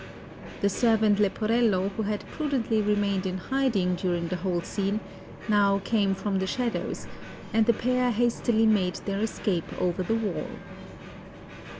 The servant Leporello, who had prudently remained in hiding during the whole scene, now came from the shadows, and the pair hastily made their escape over the wall.